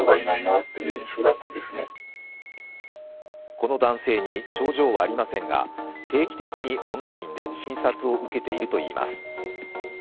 この男性に症状はありませんが定期的にオンラインで診察を受けているといいます。